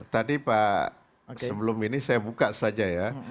tadi pak sebelum ini saya buka saja ya